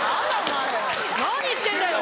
何言ってんだよ！